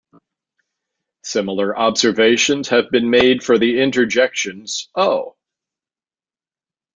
Similar observations have been made for the interjections 'Oh!